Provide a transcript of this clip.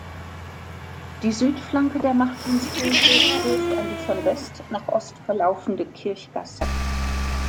Die Südflanke der Martinskirche stösst an die von West nach Ost verlaufende Kirchgasse.